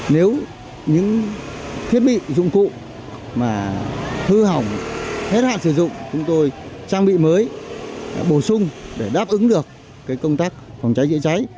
nếu những thiết bị dụng cụ mà hư hỏng hết hạn sử dụng chúng tôi trang bị mới bổ sung để đáp ứng được công tác phòng cháy chữa cháy